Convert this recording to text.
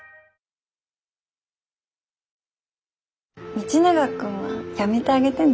道永君はやめてあげてね。